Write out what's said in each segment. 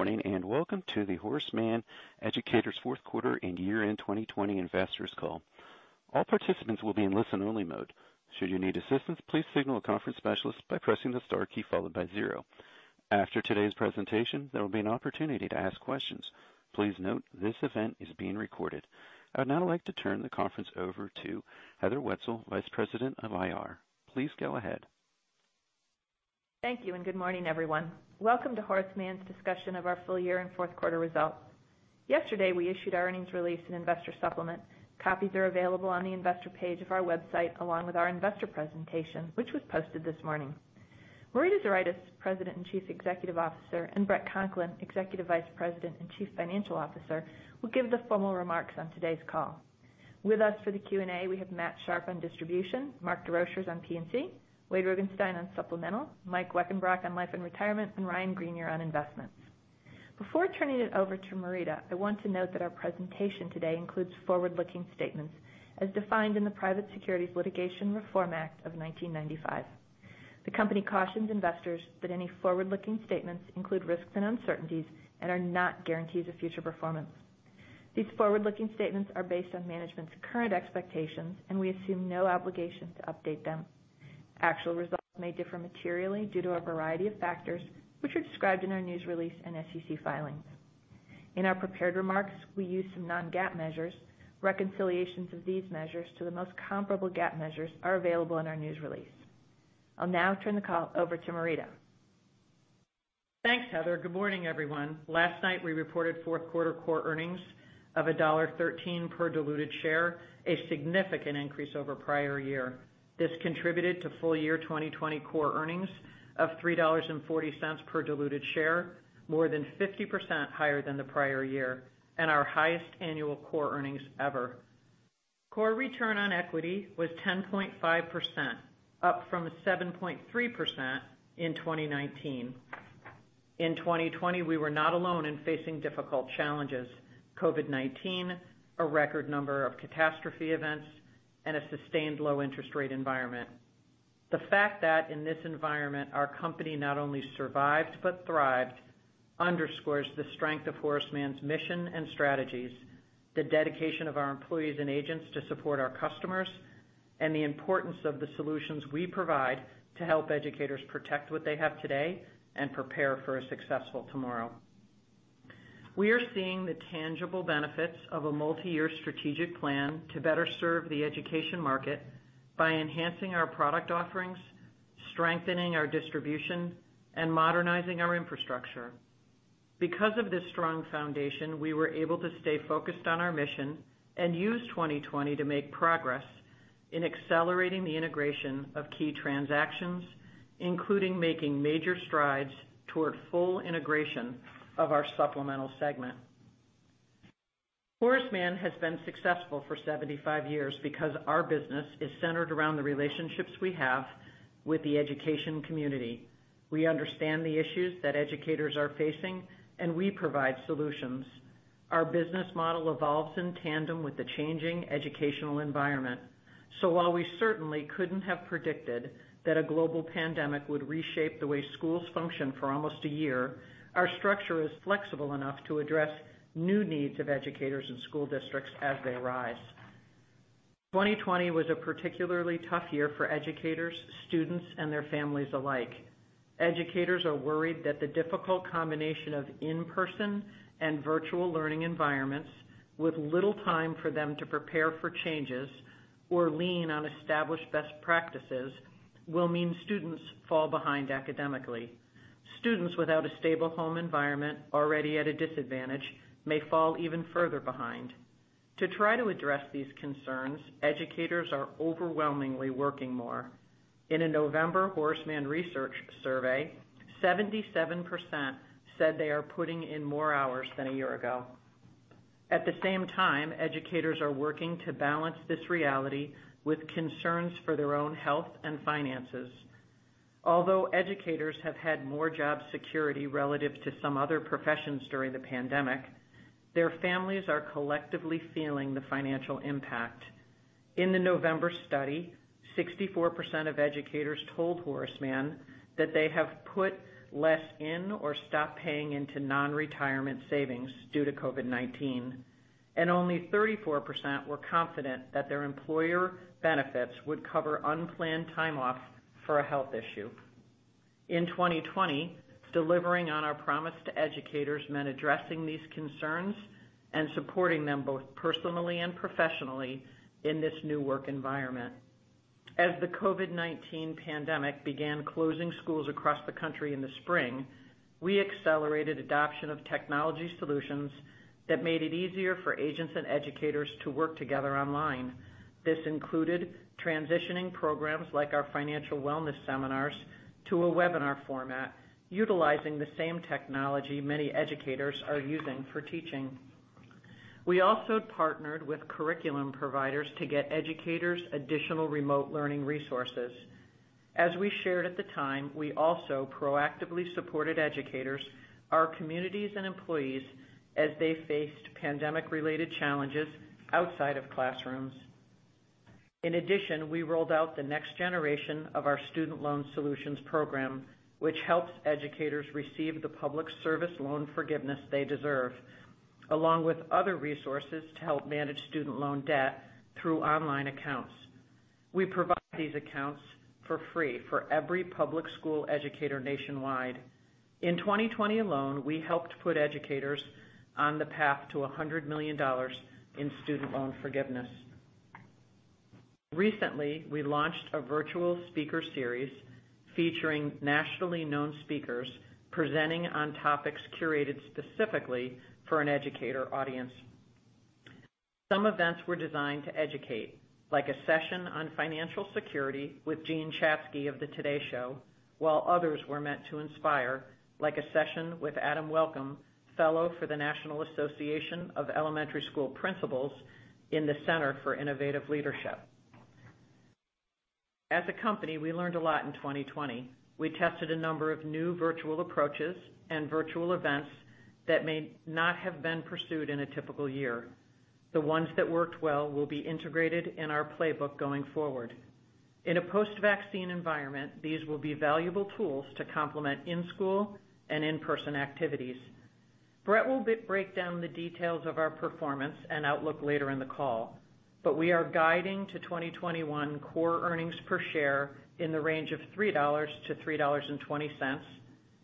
Good morning. Welcome to the Horace Mann Educators fourth quarter and year-end 2020 investors call. All participants will be in listen only mode. Should you need assistance, please signal a conference specialist by pressing the star key followed by zero. After today's presentation, there will be an opportunity to ask questions. Please note this event is being recorded. I would now like to turn the conference over to Heather Wietzel, Vice President of IR. Please go ahead. Thank you. Good morning, everyone. Welcome to Horace Mann's discussion of our full year and fourth quarter results. Yesterday, we issued our earnings release and investor supplement. Copies are available on the investor page of our website, along with our investor presentation, which was posted this morning. Marita Zuraitis, President and Chief Executive Officer, and Bret Conklin, Executive Vice President and Chief Financial Officer, will give the formal remarks on today's call. With us for the Q&A, we have Matthew Sharpe on distribution, Mark Desrochers on P&C, Wade Rugenstein on supplemental, Mike Weckenbrock on life and retirement, and Ryan Greenier on investments. Before turning it over to Marita, I want to note that our presentation today includes forward-looking statements as defined in the Private Securities Litigation Reform Act of 1995. The company cautions investors that any forward-looking statements include risks and uncertainties and are not guarantees of future performance. These forward-looking statements are based on management's current expectations. We assume no obligation to update them. Actual results may differ materially due to a variety of factors, which are described in our news release and SEC filings. In our prepared remarks, we use some non-GAAP measures. Reconciliations of these measures to the most comparable GAAP measures are available in our news release. I'll now turn the call over to Marita. Thanks, Heather. Good morning, everyone. Last night, we reported fourth quarter core earnings of $1.13 per diluted share, a significant increase over prior year. This contributed to full year 2020 core earnings of $3.40 per diluted share, more than 50% higher than the prior year and our highest annual core earnings ever. Core return on equity was 10.5%, up from 7.3% in 2019. In 2020, we were not alone in facing difficult challenges. COVID-19, a record number of catastrophe events, and a sustained low interest rate environment. The fact that in this environment, our company not only survived but thrived underscores the strength of Horace Mann's mission and strategies, the dedication of our employees and agents to support our customers, and the importance of the solutions we provide to help educators protect what they have today and prepare for a successful tomorrow. We are seeing the tangible benefits of a multi-year strategic plan to better serve the education market by enhancing our product offerings, strengthening our distribution, and modernizing our infrastructure. Because of this strong foundation, we were able to stay focused on our mission and use 2020 to make progress in accelerating the integration of key transactions, including making major strides toward full integration of our supplemental segment. Horace Mann has been successful for 75 years because our business is centered around the relationships we have with the education community. We understand the issues that educators are facing, and we provide solutions. Our business model evolves in tandem with the changing educational environment. While we certainly couldn't have predicted that a global pandemic would reshape the way schools function for almost a year, our structure is flexible enough to address new needs of educators and school districts as they arise. 2020 was a particularly tough year for educators, students, and their families alike. Educators are worried that the difficult combination of in-person and virtual learning environments with little time for them to prepare for changes or lean on established best practices will mean students fall behind academically. Students without a stable home environment, already at a disadvantage, may fall even further behind. To try to address these concerns, educators are overwhelmingly working more. In a November Horace Mann research survey, 77% said they are putting in more hours than a year ago. At the same time, educators are working to balance this reality with concerns for their own health and finances. Although educators have had more job security relative to some other professions during the pandemic, their families are collectively feeling the financial impact. In the November study, 64% of educators told Horace Mann that they have put less in or stopped paying into non-retirement savings due to COVID-19, and only 34% were confident that their employer benefits would cover unplanned time off for a health issue. In 2020, delivering on our promise to educators meant addressing these concerns and supporting them both personally and professionally in this new work environment. As the COVID-19 pandemic began closing schools across the country in the spring, we accelerated adoption of technology solutions that made it easier for agents and educators to work together online. This included transitioning programs like our financial wellness seminars to a webinar format, utilizing the same technology many educators are using for teaching. We also partnered with curriculum providers to get educators additional remote learning resources. As we shared at the time, we also proactively supported educators, our communities, and employees as they faced pandemic-related challenges outside of classrooms. In addition, we rolled out the next generation of our student loan solutions program, which helps educators receive the Public Service Loan Forgiveness they deserve, along with other resources to help manage student loan debt through online accounts. We provide these accounts for free for every public school educator nationwide. In 2020 alone, we helped put educators on the path to $100 million in student loan forgiveness. Recently, we launched a virtual speaker series featuring nationally known speakers presenting on topics curated specifically for an educator audience. Some events were designed to educate, like a session on financial security with Jean Chatzky of the TODAY Show, while others were meant to inspire, like a session with Adam Welcome, Fellow for the National Association of Elementary School Principals in the Center for Innovative Leadership. As a company, we learned a lot in 2020. We tested a number of new virtual approaches and virtual events that may not have been pursued in a typical year. The ones that worked well will be integrated in our playbook going forward. In a post-vaccine environment, these will be valuable tools to complement in-school and in-person activities. Bret will break down the details of our performance and outlook later in the call. We are guiding to 2021 core earnings per share in the range of $3-$3.20,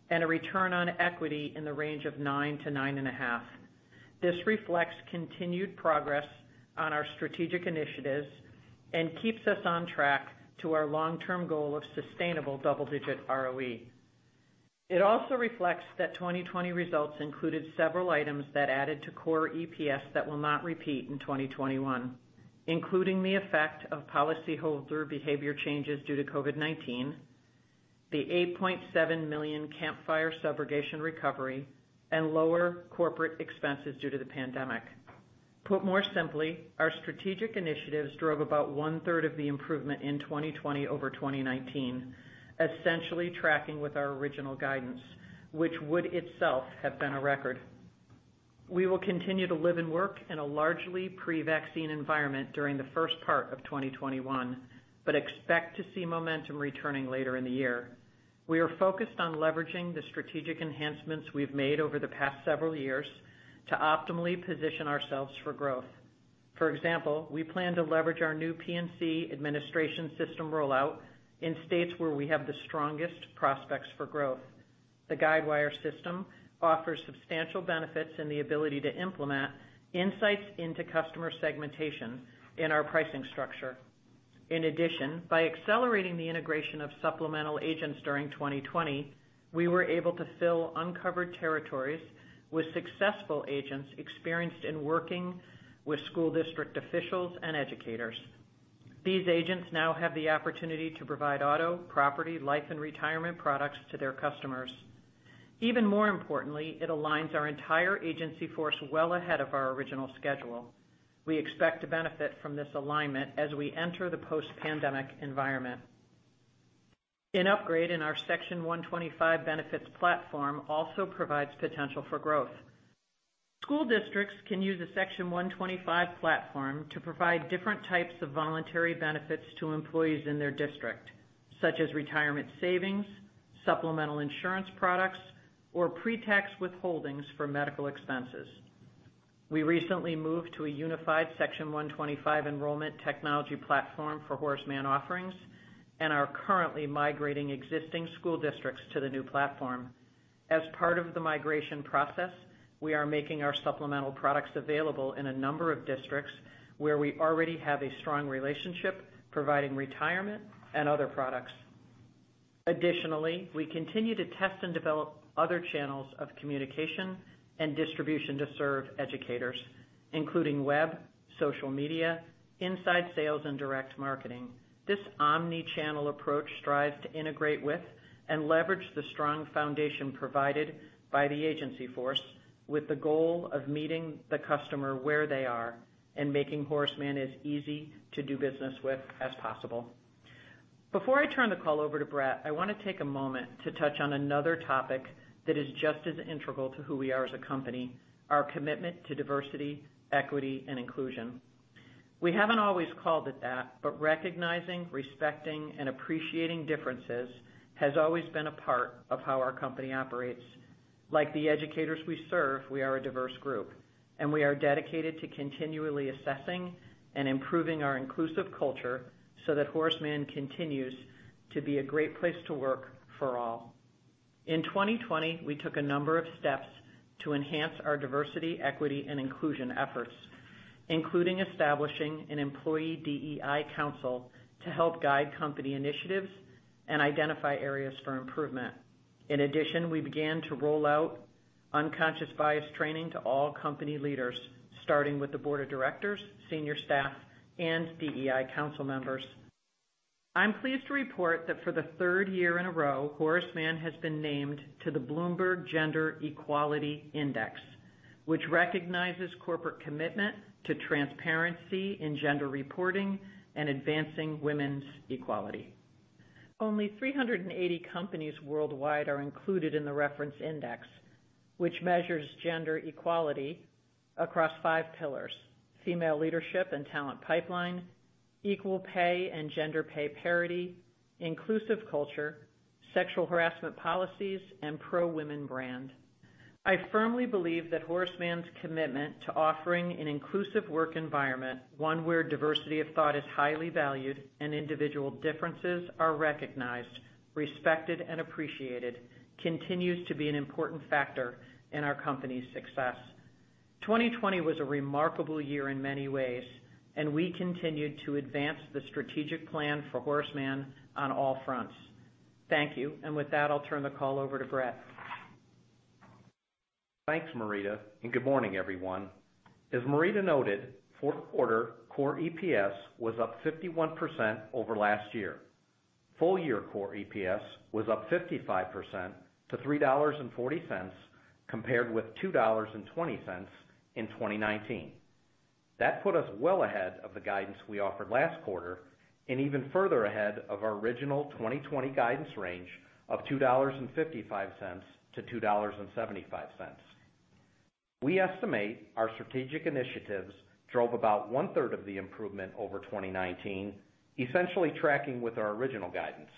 and a return on equity in the range of nine to nine and a half. This reflects continued progress on our strategic initiatives and keeps us on track to our long-term goal of sustainable double-digit ROE. It also reflects that 2020 results included several items that added to core EPS that will not repeat in 2021, including the effect of policyholder behavior changes due to COVID-19, the $8.7 million Camp Fire subrogation recovery, and lower corporate expenses due to the pandemic. Put more simply, our strategic initiatives drove about one-third of the improvement in 2020 over 2019, essentially tracking with our original guidance, which would itself have been a record. We will continue to live and work in a largely pre-vaccine environment during the first part of 2021. We expect to see momentum returning later in the year. We are focused on leveraging the strategic enhancements we've made over the past several years to optimally position ourselves for growth. For example, we plan to leverage our new P&C administration system rollout in states where we have the strongest prospects for growth. The Guidewire system offers substantial benefits in the ability to implement insights into customer segmentation in our pricing structure. In addition, by accelerating the integration of supplemental agents during 2020, we were able to fill uncovered territories with successful agents experienced in working with school district officials and educators. These agents now have the opportunity to provide auto, property, life, and retirement products to their customers. Even more importantly, it aligns our entire agency force well ahead of our original schedule. We expect to benefit from this alignment as we enter the post-pandemic environment. An upgrade in our Section 125 benefits platform also provides potential for growth. School districts can use a Section 125 platform to provide different types of voluntary benefits to employees in their district, such as retirement savings, supplemental insurance products, or pre-tax withholdings for medical expenses. We recently moved to a unified Section 125 enrollment technology platform for Horace Mann offerings and are currently migrating existing school districts to the new platform. As part of the migration process, we are making our supplemental products available in a number of districts where we already have a strong relationship providing retirement and other products. Additionally, we continue to test and develop other channels of communication and distribution to serve educators, including web, social media, inside sales, and direct marketing. This omni-channel approach strives to integrate with and leverage the strong foundation provided by the agency force with the goal of meeting the customer where they are and making Horace Mann as easy to do business with as possible. Before I turn the call over to Bret, I want to take a moment to touch on another topic that is just as integral to who we are as a company, our commitment to diversity, equity, and inclusion. We haven't always called it that, but recognizing, respecting, and appreciating differences has always been a part of how our company operates. Like the educators we serve, we are a diverse group, and we are dedicated to continually assessing and improving our inclusive culture so that Horace Mann continues to be a great place to work for all. In 2020, we took a number of steps to enhance our diversity, equity, and inclusion efforts, including establishing an employee DEI council to help guide company initiatives and identify areas for improvement. In addition, we began to roll out unconscious bias training to all company leaders, starting with the board of directors, senior staff, and DEI council members. I'm pleased to report that for the third year in a row, Horace Mann has been named to the Bloomberg Gender-Equality Index, which recognizes corporate commitment to transparency in gender reporting and advancing women's equality. Only 380 companies worldwide are included in the reference index, which measures gender equality across five pillars: female leadership and talent pipeline, equal pay and gender pay parity, inclusive culture, sexual harassment policies, and pro-women brand. I firmly believe that Horace Mann's commitment to offering an inclusive work environment, one where diversity of thought is highly valued and individual differences are recognized, respected, and appreciated, continues to be an important factor in our company's success. 2020 was a remarkable year in many ways, we continued to advance the strategic plan for Horace Mann on all fronts. Thank you. With that, I'll turn the call over to Bret. Thanks, Marita, good morning, everyone. As Marita noted, fourth quarter core EPS was up 51% over last year. Full-year core EPS was up 55% to $3.40, compared with $2.20 in 2019. That put us well ahead of the guidance we offered last quarter, even further ahead of our original 2020 guidance range of $2.55 to $2.75. We estimate our strategic initiatives drove about one-third of the improvement over 2019, essentially tracking with our original guidance.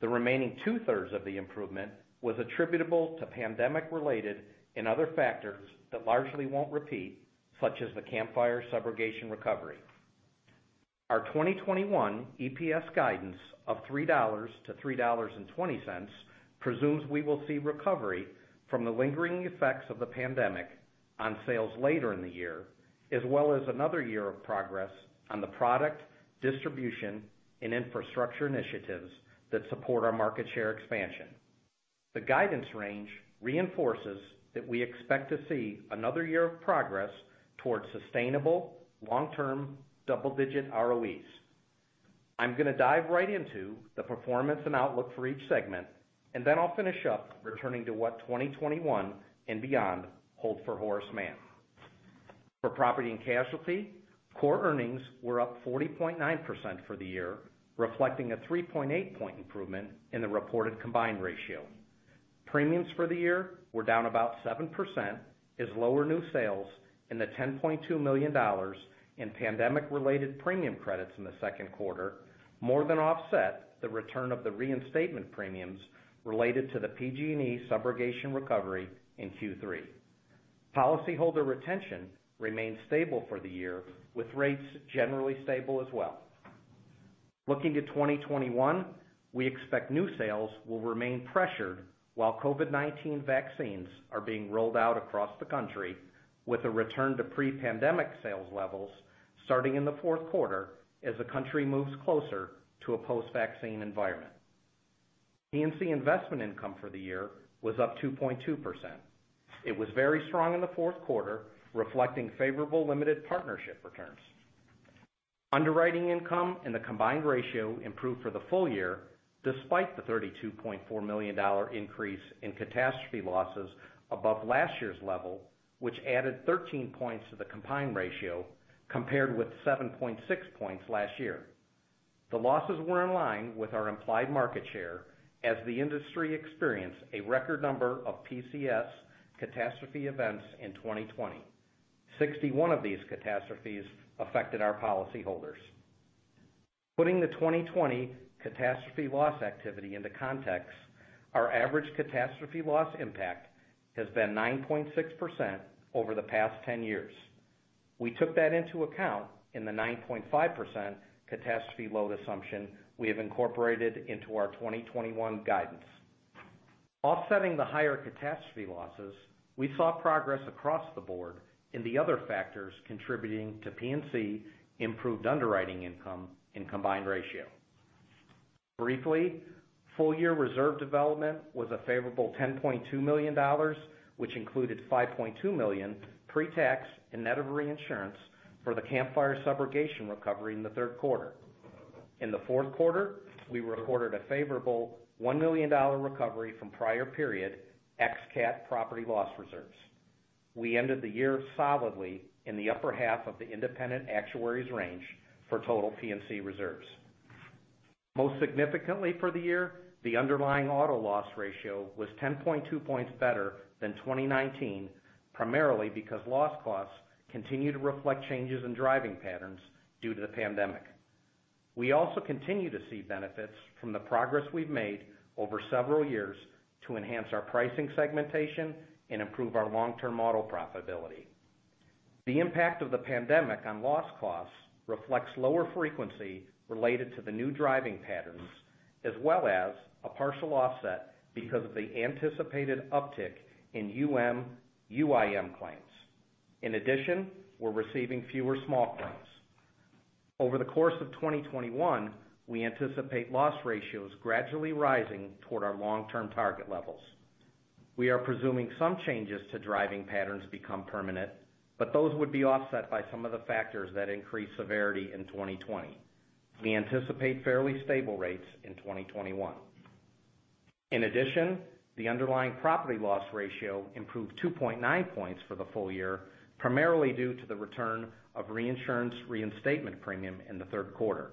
The remaining two-thirds of the improvement was attributable to pandemic-related and other factors that largely won't repeat, such as the Camp Fire subrogation recovery. Our 2021 EPS guidance of $3 to $3.20 presumes we will see recovery from the lingering effects of the pandemic on sales later in the year, as well as another year of progress on the product, distribution, and infrastructure initiatives that support our market share expansion. The guidance range reinforces that we expect to see another year of progress towards sustainable long-term double-digit ROEs. I'm going to dive right into the performance and outlook for each segment. Then I'll finish up returning to what 2021 and beyond hold for Horace Mann. For property and casualty, core earnings were up 40.9% for the year, reflecting a 3.8-point improvement in the reported combined ratio. Premiums for the year were down about 7% as lower new sales in the $10.2 million in pandemic-related premium credits in the second quarter more than offset the return of the reinstatement premiums related to the PG&E subrogation recovery in Q3. Policyholder retention remained stable for the year, with rates generally stable as well. Looking to 2021, we expect new sales will remain pressured while COVID-19 vaccines are being rolled out across the country with a return to pre-pandemic sales levels starting in the fourth quarter as the country moves closer to a post-vaccine environment. P&C investment income for the year was up 2.2%. It was very strong in the fourth quarter, reflecting favorable limited partnership returns. Underwriting income and the combined ratio improved for the full year despite the $32.4 million increase in catastrophe losses above last year's level, which added 13 points to the combined ratio compared with 7.6 points last year. The losses were in line with our implied market share as the industry experienced a record number of PCS catastrophe events in 2020. 61 of these catastrophes affected our policyholders. Putting the 2020 catastrophe loss activity into context, our average catastrophe loss impact has been 9.6% over the past 10 years. We took that into account in the 9.5% catastrophe load assumption we have incorporated into our 2021 guidance. Offsetting the higher catastrophe losses, we saw progress across the board in the other factors contributing to P&C improved underwriting income and combined ratio. Briefly, full-year reserve development was a favorable $10.2 million, which included $5.2 million pre-tax and net of reinsurance for the Camp Fire subrogation recovery in the third quarter. In the fourth quarter, we recorded a favorable $1 million recovery from prior period ex-cat property loss reserves. We ended the year solidly in the upper half of the independent actuary's range for total P&C reserves. Most significantly for the year, the underlying auto loss ratio was 10.2 points better than 2019, primarily because loss costs continue to reflect changes in driving patterns due to the pandemic. We also continue to see benefits from the progress we've made over several years to enhance our pricing segmentation and improve our long-term auto profitability. The impact of the pandemic on loss costs reflects lower frequency related to the new driving patterns as well as a partial offset because of the anticipated uptick in UM/UIM claims. In addition, we're receiving fewer small claims. Over the course of 2021, we anticipate loss ratios gradually rising toward our long-term target levels. We are presuming some changes to driving patterns become permanent, but those would be offset by some of the factors that increased severity in 2020. We anticipate fairly stable rates in 2021. In addition, the underlying property loss ratio improved 2.9 points for the full year, primarily due to the return of reinsurance reinstatement premium in the third quarter.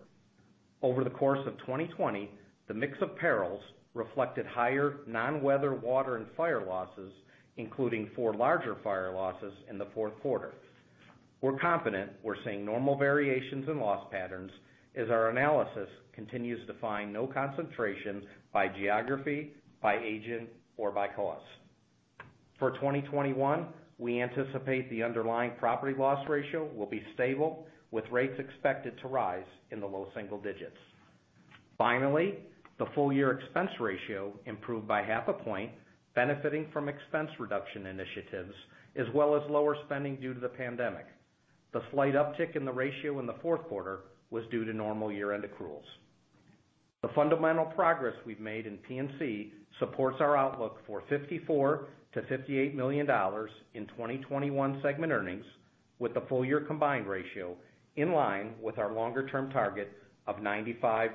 Over the course of 2020, the mix of perils reflected higher non-weather, water, and fire losses, including four larger fire losses in the fourth quarter. We're confident we're seeing normal variations in loss patterns as our analysis continues to find no concentrations by geography, by agent, or by cause. For 2021, we anticipate the underlying property loss ratio will be stable, with rates expected to rise in the low single digits. Finally, the full-year expense ratio improved by half a point, benefiting from expense reduction initiatives, as well as lower spending due to the pandemic. The slight uptick in the ratio in the fourth quarter was due to normal year-end accruals. The fundamental progress we've made in P&C supports our outlook for $54 million-$58 million in 2021 segment earnings, with the full-year combined ratio in line with our longer-term target of 95%-96%.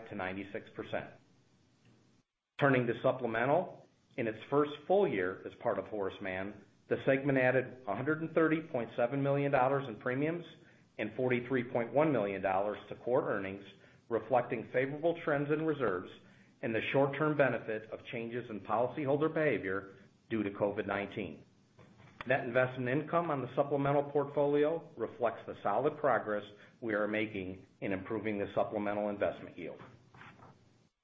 Turning to supplemental. In its first full year as part of Horace Mann, the segment added $130.7 million in premiums and $43.1 million to core earnings, reflecting favorable trends in reserves and the short-term benefit of changes in policyholder behavior due to COVID-19. Net investment income on the supplemental portfolio reflects the solid progress we are making in improving the supplemental investment yield.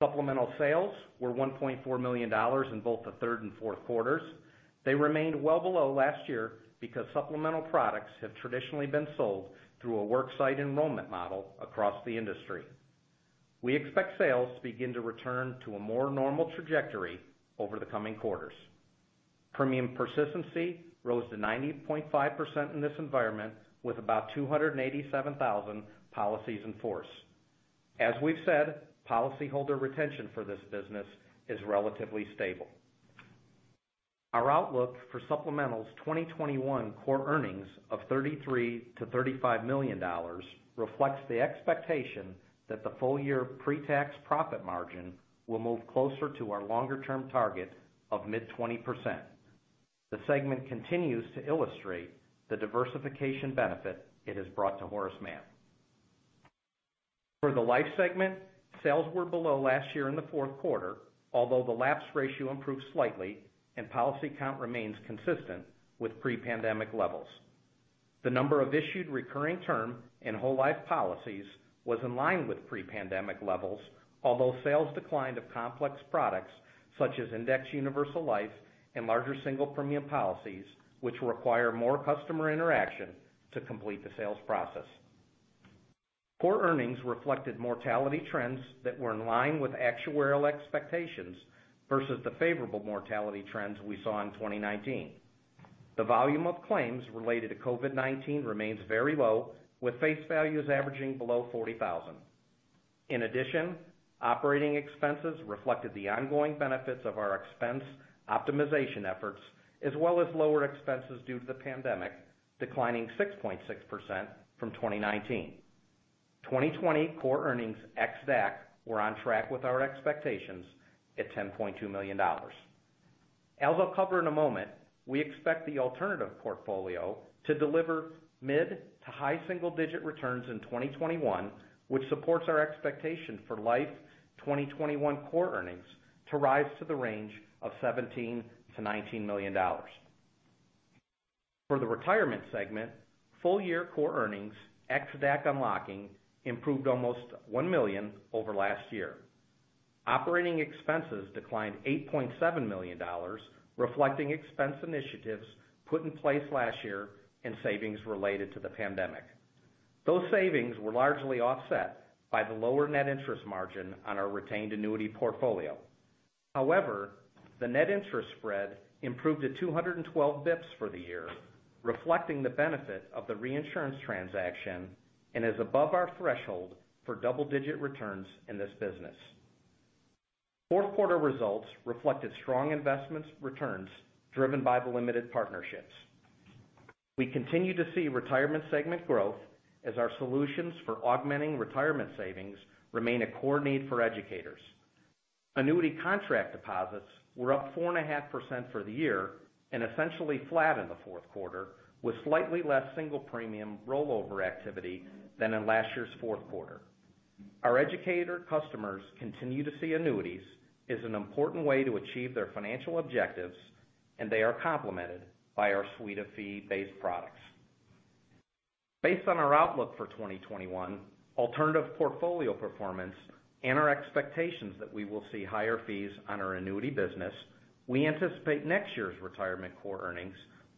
Supplemental sales were $1.4 million in both the third and fourth quarters. They remained well below last year because supplemental products have traditionally been sold through a worksite enrollment model across the industry. We expect sales to begin to return to a more normal trajectory over the coming quarters. Premium persistency rose to 90.5% in this environment, with about 287,000 policies in force. As we've said, policyholder retention for this business is relatively stable. Our outlook for supplemental's 2021 core earnings of $33 million-$35 million reflects the expectation that the full-year pre-tax profit margin will move closer to our longer-term target of mid-20%. The segment continues to illustrate the diversification benefit it has brought to Horace Mann. For the life segment, sales were below last year in the fourth quarter, although the lapse ratio improved slightly and policy count remains consistent with pre-pandemic levels. The number of issued recurring term and whole life policies was in line with pre-pandemic levels, although sales declined of complex products such as indexed universal life and larger single premium policies, which require more customer interaction to complete the sales process. Core earnings reflected mortality trends that were in line with actuarial expectations versus the favorable mortality trends we saw in 2019. The volume of claims related to COVID-19 remains very low, with face values averaging below 40,000. In addition, operating expenses reflected the ongoing benefits of our expense optimization efforts, as well as lower expenses due to the pandemic, declining 6.6% from 2019. 2020 core earnings ex DAC were on track with our expectations at $10.2 million. As I'll cover in a moment, we expect the alternative portfolio to deliver mid to high single-digit returns in 2021, which supports our expectation for life 2021 core earnings to rise to the range of $17 million-$19 million. For the retirement segment, full-year core earnings, ex DAC unlocking, improved almost $1 million over last year. Operating expenses declined $8.7 million, reflecting expense initiatives put in place last year and savings related to the pandemic. Those savings were largely offset by the lower net interest margin on our retained annuity portfolio. However, the net interest spread improved to 212 bps for the year, reflecting the benefit of the reinsurance transaction and is above our threshold for double-digit returns in this business. Fourth quarter results reflected strong investment returns driven by the limited partnerships. We continue to see Retirement Segment growth as our solutions for augmenting retirement savings remain a core need for educators. Annuity contract deposits were up 4.5% for the year and essentially flat in the fourth quarter, with slightly less single premium rollover activity than in last year's fourth quarter. Our educator customers continue to see annuities as an important way to achieve their financial objectives, and they are complemented by our suite of fee-based products. Based on our outlook for 2021, alternative portfolio performance, and our expectations that we will see higher fees on our annuity business, we anticipate next year's Retirement core earnings,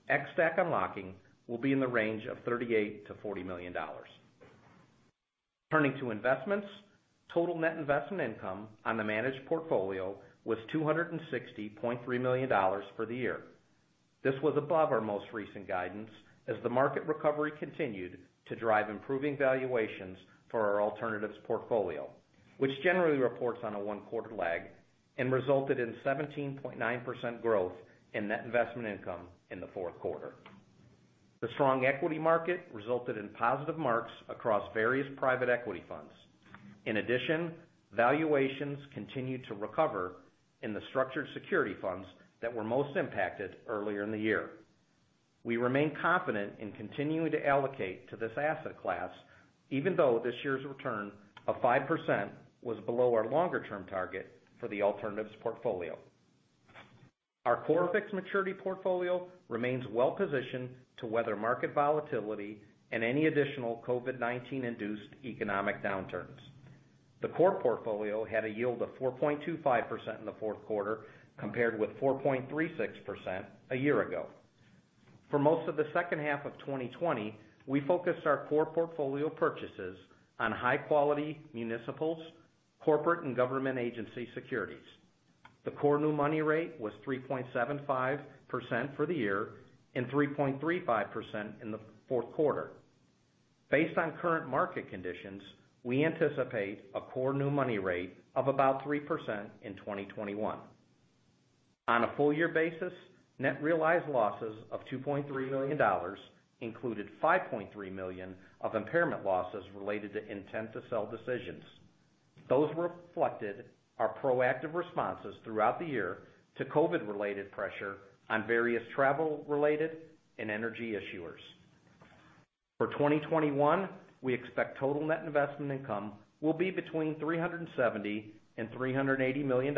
ex DAC unlocking, will be in the range of $38 million-$40 million. Turning to investments. Total net investment income on the managed portfolio was $260.3 million for the year. This was above our most recent guidance as the market recovery continued to drive improving valuations for our alternatives portfolio, which generally reports on a one-quarter lag and resulted in 17.9% growth in net investment income in the fourth quarter. The strong equity market resulted in positive marks across various private equity funds. In addition, valuations continued to recover in the structured security funds that were most impacted earlier in the year. We remain confident in continuing to allocate to this asset class, even though this year's return of 5% was below our longer-term target for the alternatives portfolio. Our core fixed maturity portfolio remains well-positioned to weather market volatility and any additional COVID-19-induced economic downturns. The core portfolio had a yield of 4.25% in the fourth quarter, compared with 4.36% a year ago. For most of the second half of 2020, we focused our core portfolio purchases on high-quality municipals, corporate, and government agency securities. The core new money rate was 3.75% for the year and 3.35% in the fourth quarter. Based on current market conditions, we anticipate a core new money rate of about 3% in 2021. On a full-year basis, net realized losses of $2.3 million included $5.3 million of impairment losses related to intent-to-sell decisions. Those reflected our proactive responses throughout the year to COVID-related pressure on various travel-related and energy issuers. For 2021, we expect total net investment income will be between $370 million-$380 million,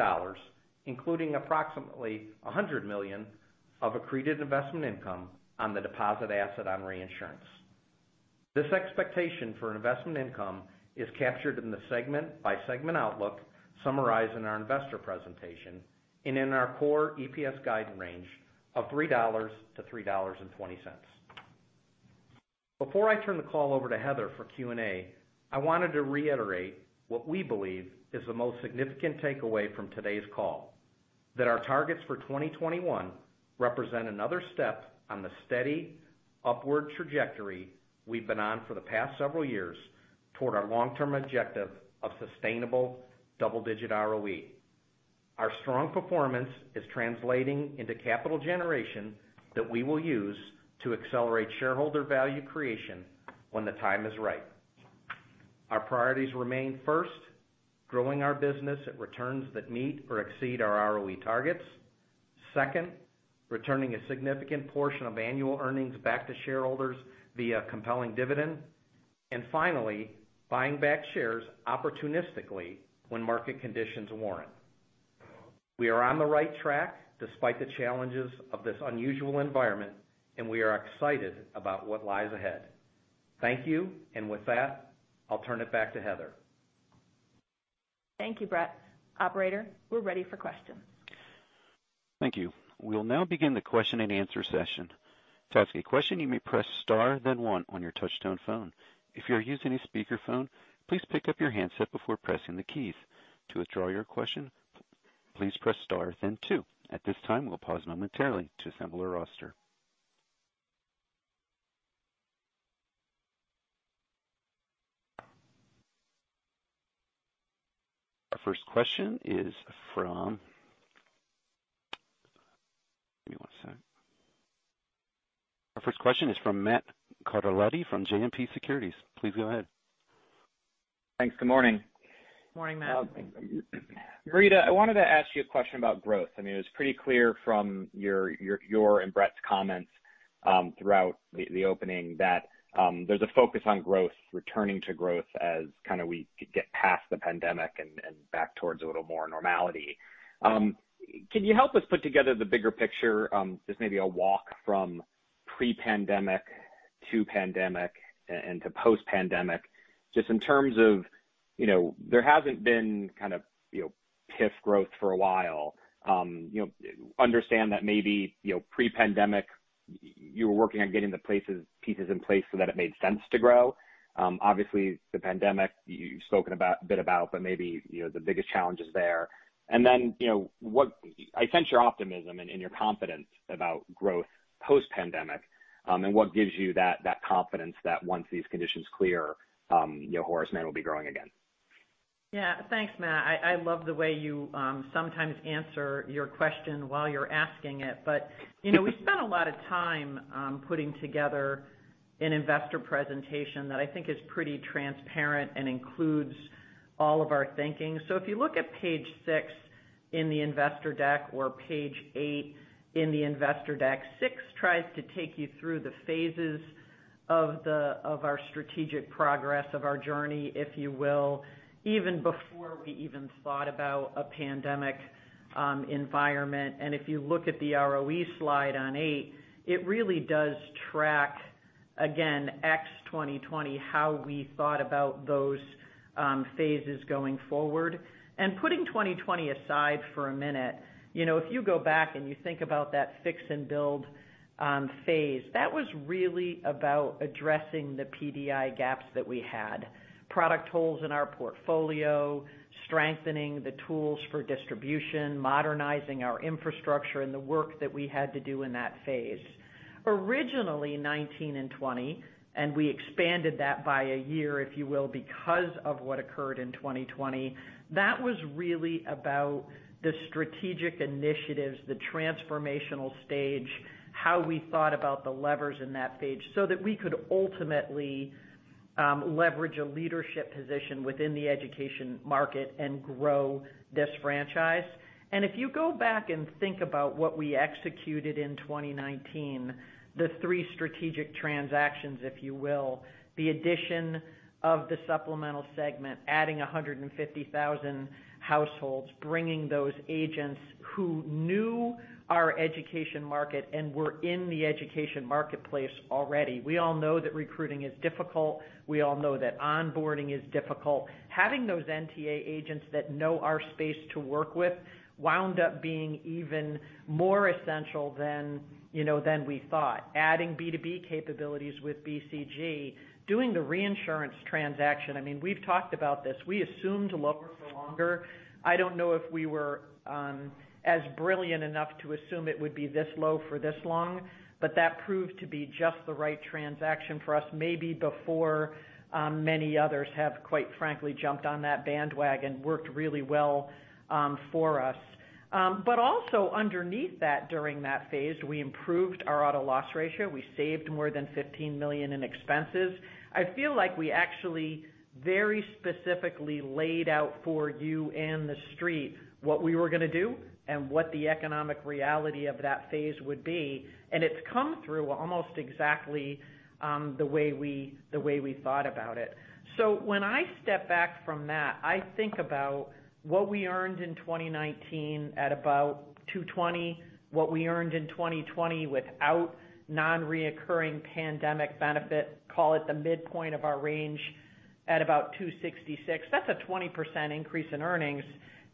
including approximately $100 million of accreted investment income on the deposit asset on reinsurance. This expectation for investment income is captured in the segment-by-segment outlook summarized in our investor presentation and in our core EPS guidance range of $3-$3.20. Before I turn the call over to Heather for Q&A, I wanted to reiterate what we believe is the most significant takeaway from today's call, that our targets for 2021 represent another step on the steady upward trajectory we've been on for the past several years toward our long-term objective of sustainable double-digit ROE. Our strong performance is translating into capital generation that we will use to accelerate shareholder value creation when the time is right. Our priorities remain, first, growing our business at returns that meet or exceed our ROE targets. Second, returning a significant portion of annual earnings back to shareholders via compelling dividend. Finally, buying back shares opportunistically when market conditions warrant. We are on the right track despite the challenges of this unusual environment, and we are excited about what lies ahead. Thank you. With that, I'll turn it back to Heather. Thank you, Bret. Operator, we're ready for questions. Thank you. We'll now begin the question-and-answer session. To ask a question, you may press star then one on your touchtone phone. If you are using a speakerphone, please pick up your handset before pressing the keys. To withdraw your question, please press star then two. At this time, we'll pause momentarily to assemble a roster. Our first question is from Matthew Carletti from JMP Securities. Please go ahead. Thanks. Good morning. Morning, Matt. Marita, I wanted to ask you a question about growth. It was pretty clear from your and Bret's comments throughout the opening that there's a focus on returning to growth as we get past the pandemic and back towards a little more normality. Can you help us put together the bigger picture? Just maybe a walk from pre-pandemic to pandemic and to post-pandemic, just in terms of there hasn't been PIF growth for a while. Understand that maybe pre-pandemic, you were working on getting the pieces in place so that it made sense to grow. Obviously, the pandemic you've spoken a bit about, but maybe the biggest challenge is there. I sense your optimism and your confidence about growth post-pandemic, and what gives you that confidence that once these conditions clear, Horace Mann will be growing again. Yeah. Thanks, Matt. I love the way you sometimes answer your question while you're asking it. We spent a lot of time putting together an investor presentation that I think is pretty transparent and includes all of our thinking. If you look at page six in the investor deck or page eight in the investor deck, six tries to take you through the phases of our strategic progress of our journey, if you will, even before we even thought about a pandemic environment. If you look at the ROE slide on eight, it really does track again, ex-2020, how we thought about those phases going forward. Putting 2020 aside for a minute, if you go back and you think about that fix and build phase, that was really about addressing the PDI gaps that we had. Product holes in our portfolio, strengthening the tools for distribution, modernizing our infrastructure, the work that we had to do in that phase. Originally 2019 and 2020, and we expanded that by a year, if you will, because of what occurred in 2020. That was really about the strategic initiatives, the transformational stage, how we thought about the levers in that page so that we could ultimately leverage a leadership position within the education market and grow this franchise. If you go back and think about what we executed in 2019, the three strategic transactions, if you will, the addition of the supplemental segment, adding 150,000 households, bringing those agents who knew our education market and were in the education marketplace already. We all know that recruiting is difficult. We all know that onboarding is difficult. Having those NTA agents that know our space to work with, wound up being even more essential than we thought. Adding B2B capabilities with BCG, doing the reinsurance transaction. We have talked about this. We assumed lower for longer. I do not know if we were as brilliant enough to assume it would be this low for this long, but that proved to be just the right transaction for us, maybe before many others have, quite frankly, jumped on that bandwagon. Worked really well for us. Also underneath that, during that phase, we improved our auto loss ratio. We saved more than $15 million in expenses. I feel like we actually very specifically laid out for you and the street what we were going to do and what the economic reality of that phase would be. It has come through almost exactly the way we thought about it. When I step back from that, I think about what we earned in 2019 at about $220, what we earned in 2020 without non-reoccurring pandemic benefit, call it the midpoint of our range at about $266. That is a 20% increase in earnings.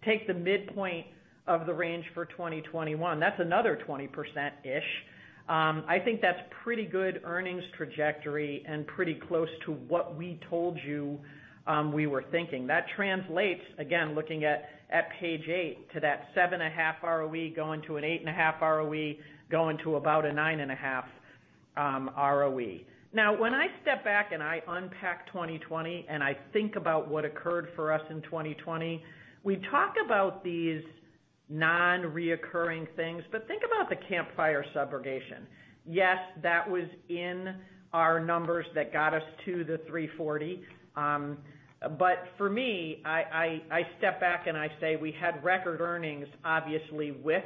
Take the midpoint of the range for 2021. That is another 20%-ish. I think that is pretty good earnings trajectory and pretty close to what we told you we were thinking. That translates, again, looking at page eight to that 7.5% ROE going to an 8.5% ROE, going to about a 9.5% ROE. When I step back and I unpack 2020, and I think about what occurred for us in 2020, we talk about these non-reoccurring things, but think about the Camp Fire subrogation. Yes, that was in our numbers that got us to the $340. For me, I step back and I say we had record earnings, obviously, with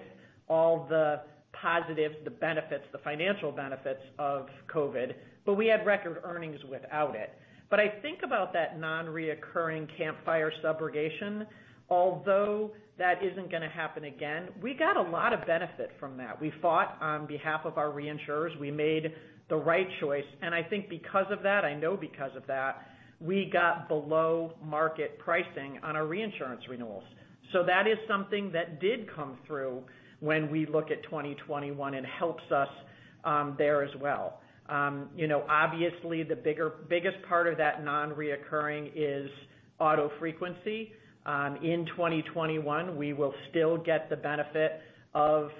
all the positives, the benefits, the financial benefits of COVID, but we had record earnings without it. I think about that non-reoccurring Camp Fire subrogation, although that is not going to happen again, we got a lot of benefit from that. We fought on behalf of our reinsurers. We made the right choice. I think because of that, I know because of that, we got below market pricing on our reinsurance renewals. That is something that did come through when we look at 2021 and helps us there as well. Obviously, the biggest part of that non-reoccurring is auto frequency. In 2021, we will still get the benefit of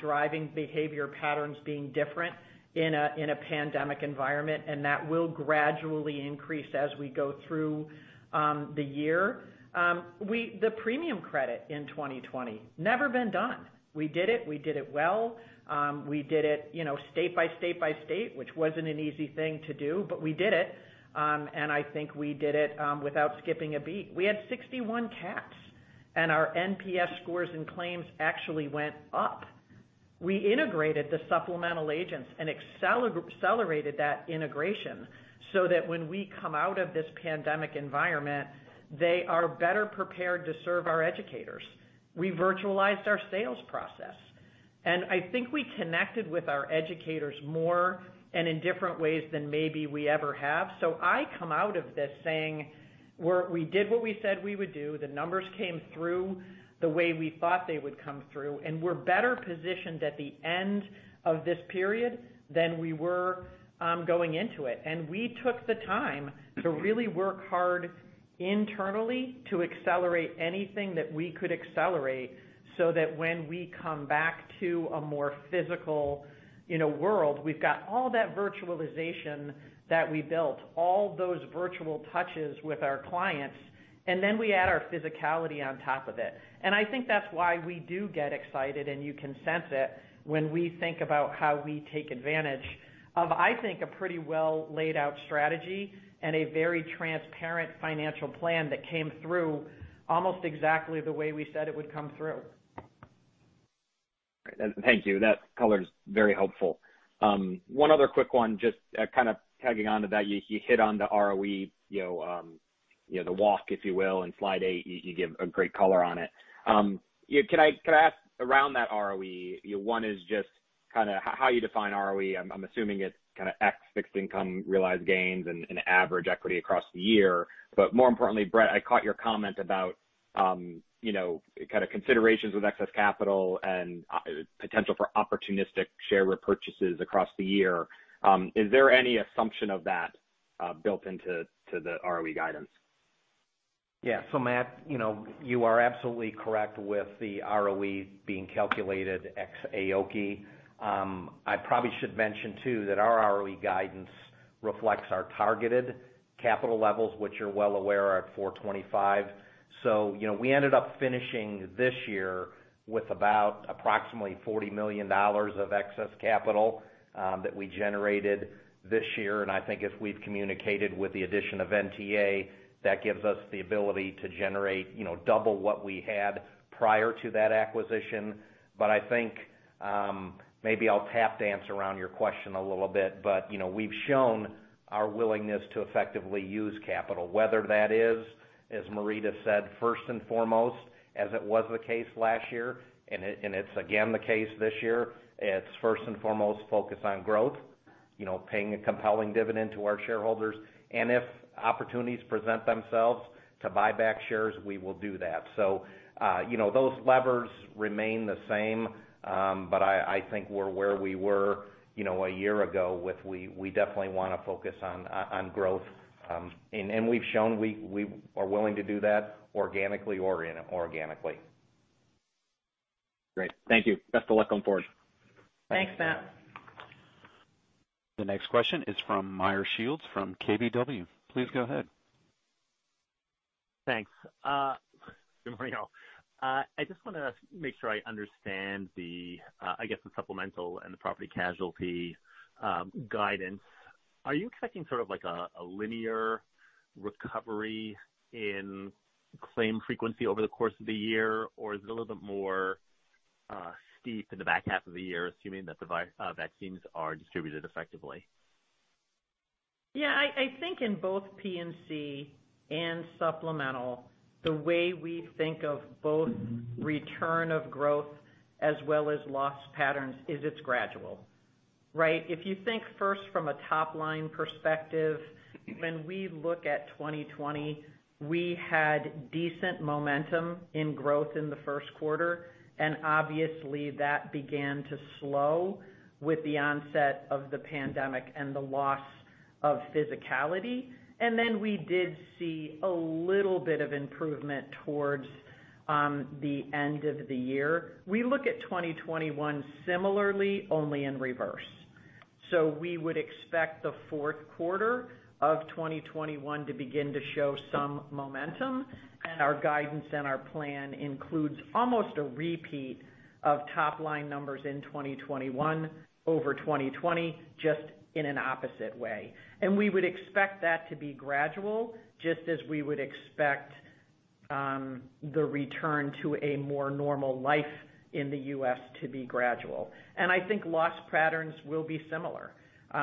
driving behavior patterns being different in a pandemic environment, and that will gradually increase as we go through the year. The premium credit in 2020. Never been done. We did it. We did it well. We did it state by state by state, which was not an easy thing to do, but we did it. I think we did it without skipping a beat. We had 61 cats, and our NPS scores and claims actually went up. We integrated the supplemental agents and accelerated that integration so that when we come out of this pandemic environment, they are better prepared to serve our educators. We virtualized our sales process, and I think we connected with our educators more and in different ways than maybe we ever have. I come out of this saying we did what we said we would do. The numbers came through the way we thought they would come through, and we are better positioned at the end of this period than we were going into it. We took the time to really work hard internally to accelerate anything that we could accelerate so that when we come back to a more physical world, we've got all that virtualization that we built, all those virtual touches with our clients, and then we add our physicality on top of it. I think that's why we do get excited, and you can sense it when we think about how we take advantage of, I think, a pretty well laid out strategy and a very transparent financial plan that came through almost exactly the way we said it would come through. Thank you. That color is very helpful. One other quick one, just kind of tagging on to that. You hit on the ROE, the walk, if you will, in slide eight. You give a great color on it. Can I ask around that ROE? One is just how you define ROE. I'm assuming it's kind of X fixed income realized gains and average equity across the year. More importantly, Bret, I caught your comment about considerations with excess capital and potential for opportunistic share repurchases across the year. Is there any assumption of that built into the ROE guidance? Matt, you are absolutely correct with the ROE being calculated ex AOCI. I probably should mention too, that our ROE guidance reflects our targeted capital levels, which you're well aware are at 425. We ended up finishing this year with about approximately $40 million of excess capital that we generated this year. I think as we've communicated with the addition of NTA, that gives us the ability to generate double what we had prior to that acquisition. I think, maybe I'll tap dance around your question a little bit, but we've shown our willingness to effectively use capital, whether that is, as Marita said, first and foremost, as it was the case last year, and it's again the case this year. It's first and foremost focused on growth, paying a compelling dividend to our shareholders, and if opportunities present themselves to buy back shares, we will do that. Those levers remain the same. I think we're where we were a year ago with, we definitely want to focus on growth. We've shown we are willing to do that organically or inorganically. Great. Thank you. Best of luck going forward. Thanks, Matt. The next question is from Meyer Shields from KBW. Please go ahead. Thanks. Good morning, all. I just want to make sure I understand the, I guess the supplemental and the property casualty guidance. Are you expecting sort of like a linear recovery in claim frequency over the course of the year? Or is it a little bit more steep in the back half of the year, assuming that the vaccines are distributed effectively? Yeah, I think in both P&C and supplemental, the way we think of both return of growth as well as loss patterns is it's gradual. Right? If you think first from a top-line perspective, when we look at 2020, we had decent momentum in growth in the first quarter, obviously that began to slow with the onset of the pandemic and the loss of physicality. Then we did see a little bit of improvement towards the end of the year. We look at 2021 similarly, only in reverse. We would expect the fourth quarter of 2021 to begin to show some momentum, and our guidance and our plan includes almost a repeat of top-line numbers in 2021 over 2020, just in an opposite way. We would expect that to be gradual, just as we would expect the return to a more normal life in the U.S. to be gradual. I think loss patterns will be similar.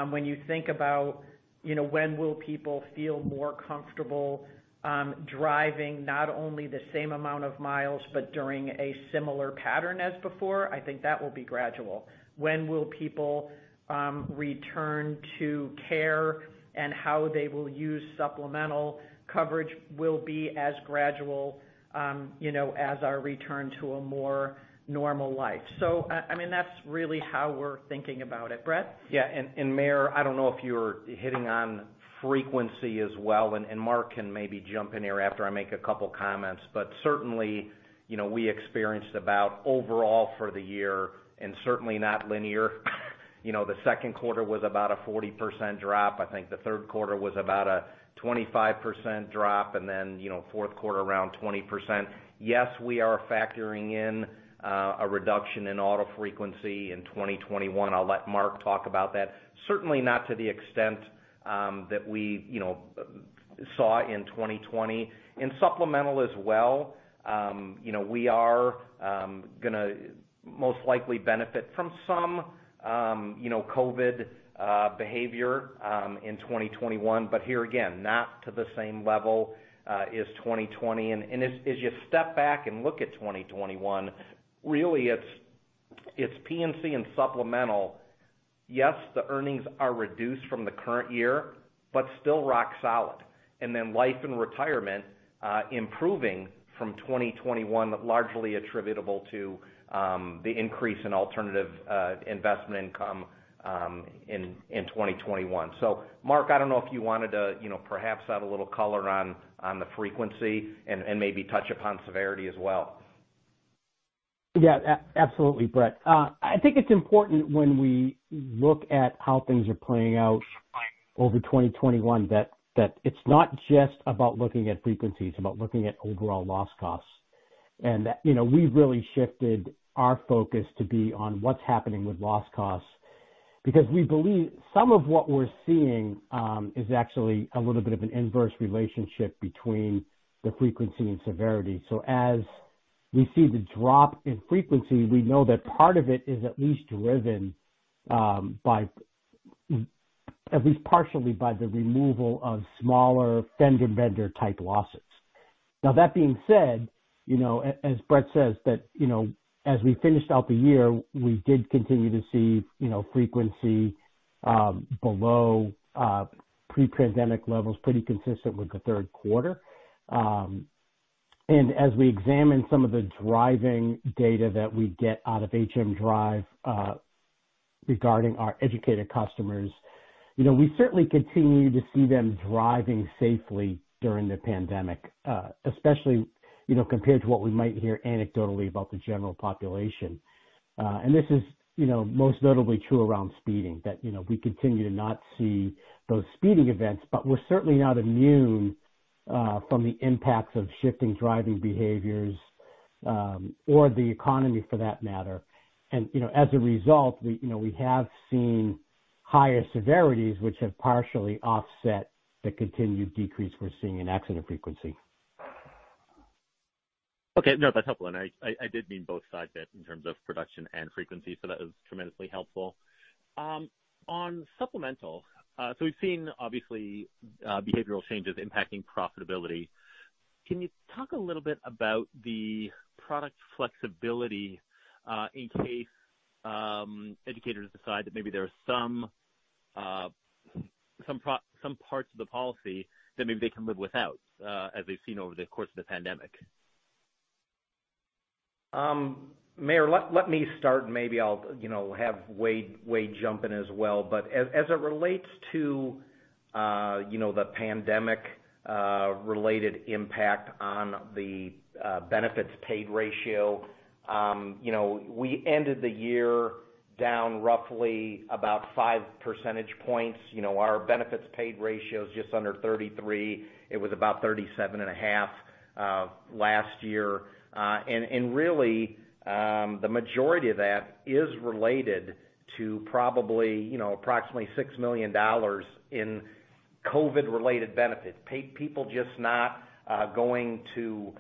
When you think about when will people feel more comfortable driving not only the same amount of miles, but during a similar pattern as before, I think that will be gradual. When will people return to care and how they will use supplemental coverage will be as gradual as our return to a more normal life. That's really how we're thinking about it. Bret? Yeah. Meyer, I don't know if you were hitting on frequency as well, Mark can maybe jump in here after I make a couple comments. Certainly, we experienced about overall for the year, certainly not linear. The second quarter was about a 40% drop. I think the third quarter was about a 25% drop, then, fourth quarter around 20%. Yes, we are factoring in a reduction in auto frequency in 2021. I'll let Mark talk about that. Certainly not to the extent that we saw in 2020. In supplemental as well, we are going to most likely benefit from some COVID behavior in 2021, here again, not to the same level as 2020. As you step back and look at 2021, really it's P&C and supplemental. Yes, the earnings are reduced from the current year, still rock solid. Then life and retirement improving from 2021, largely attributable to the increase in alternative investment income in 2021. Mark, I don't know if you wanted to perhaps add a little color on the frequency and maybe touch upon severity as well. Absolutely, Bret. I think it's important when we look at how things are playing out over 2021, that it's not just about looking at frequencies, it's about looking at overall loss costs. That we've really shifted our focus to be on what's happening with loss costs because we believe some of what we're seeing is actually a little bit of an inverse relationship between the frequency and severity. As we see the drop in frequency, we know that part of it is at least driven by, at least partially by the removal of smaller fender bender type losses. That being said, as Bret says, that as we finished out the year, we did continue to see frequency below pre-pandemic levels, pretty consistent with the third quarter. As we examine some of the driving data that we get out of HM Drive regarding our educated customers, we certainly continue to see them driving safely during the pandemic, especially compared to what we might hear anecdotally about the general population. This is most notably true around speeding, that we continue to not see those speeding events, but we're certainly not immune from the impacts of shifting driving behaviors or the economy for that matter. As a result, we have seen higher severities, which have partially offset the continued decrease we're seeing in accident frequency. Okay. No, that's helpful. I did mean both sides of it in terms of production and frequency, that is tremendously helpful. On supplemental, we've seen, obviously, behavioral changes impacting profitability. Can you talk a little bit about the product flexibility, in case educators decide that maybe there are some parts of the policy that maybe they can live without, as they've seen over the course of the pandemic? Meyer, let me start, maybe I'll have Wade jump in as well. As it relates to the pandemic-related impact on the benefits paid ratio, we ended the year down roughly about five percentage points. Our benefits paid ratio is just under 33. It was about 37 and a half last year. Really, the majority of that is related to probably approximately $6 million in COVID-related benefits. People just not going to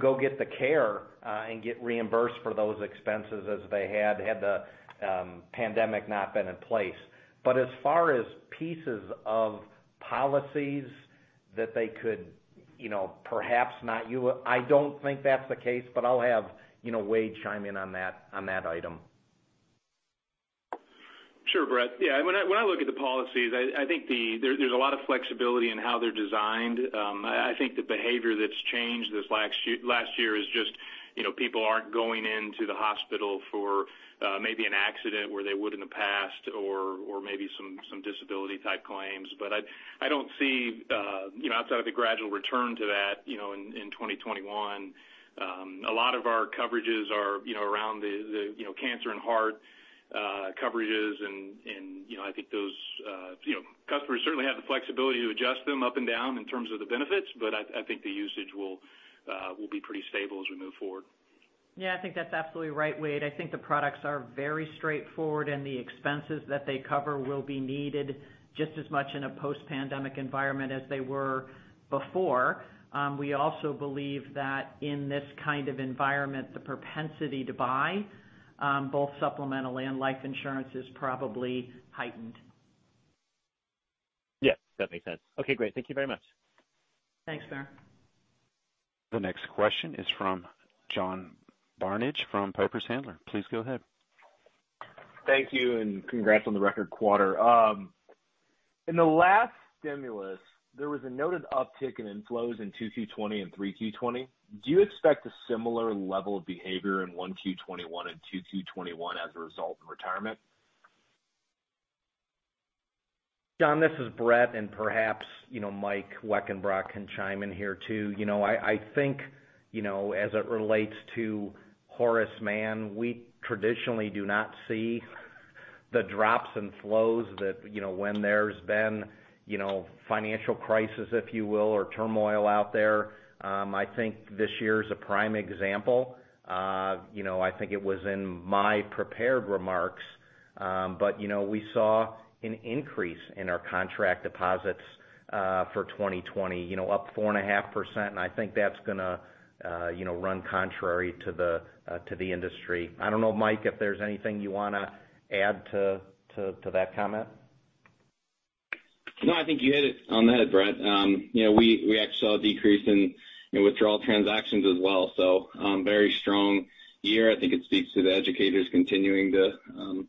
go get the care and get reimbursed for those expenses as they had the pandemic not been in place. As far as pieces of policies that they could perhaps not use, I don't think that's the case, but I'll have Wade chime in on that item. Sure, Bret. When I look at the policies, I think there's a lot of flexibility in how they're designed. I think the behavior that's changed this last year is just people aren't going into the hospital for maybe an accident where they would in the past or maybe some disability type claims. I don't see outside of the gradual return to that in 2021. A lot of our coverages are around the cancer and heart coverages, and I think those customers certainly have the flexibility to adjust them up and down in terms of the benefits, but I think the usage will be pretty stable as we move forward. I think that's absolutely right, Wade. I think the products are very straightforward, and the expenses that they cover will be needed just as much in a post-pandemic environment as they were before. We also believe that in this kind of environment, the propensity to buy both supplemental and life insurance is probably heightened. That makes sense. Okay, great. Thank you very much. Thanks, Meyer. The next question is from John Barnidge from Piper Sandler. Please go ahead. Thank you. Congrats on the record quarter. In the last stimulus, there was a noted uptick in inflows in 2Q20 and 3Q20. Do you expect a similar level of behavior in 1Q21 and 2Q21 as a result in retirement? John, this is Bret. Perhaps Mike Weckenbrock can chime in here, too. I think as it relates to Horace Mann, we traditionally do not see the drops in flows that when there's been financial crisis, if you will, or turmoil out there. I think this year is a prime example. I think it was in my prepared remarks. We saw an increase in our contract deposits for 2020, up 4.5%. I think that's going to run contrary to the industry. I don't know, Mike, if there's anything you want to add to that comment. I think you hit it on the head, Bret. We actually saw a decrease in withdrawal transactions as well. Very strong year. I think it speaks to the educators continuing to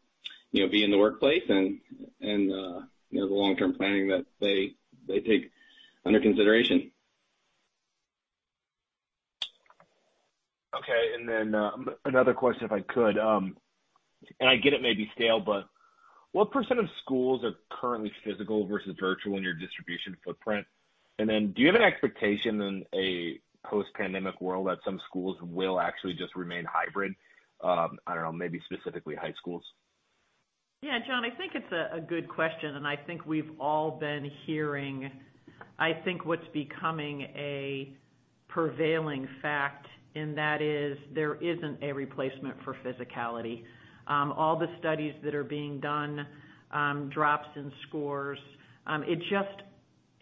be in the workplace and the long-term planning that they take under consideration. Okay, another question, if I could. I get it may be stale, but what % of schools are currently physical versus virtual in your distribution footprint? Do you have an expectation in a post-pandemic world that some schools will actually just remain hybrid? I don't know, maybe specifically high schools. Yeah, John, I think it's a good question. I think we've all been hearing what's becoming a prevailing fact, that is there isn't a replacement for physicality. All the studies that are being done, drops in scores, it's just